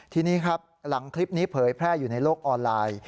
ทีนี้ครับหลังคลิปนี้เผยแพร่อยู่ในโลกออนไลน์